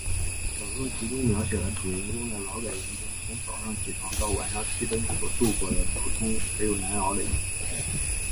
小说集中描写了主人公在劳改营中从早上起床到晚上熄灯所度过的普通而又难熬的一天。